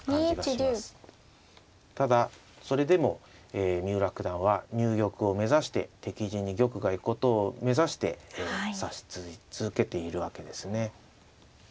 ただそれでも三浦九段は入玉を目指して敵陣に玉が行くことを目指して指し続けているわけですね。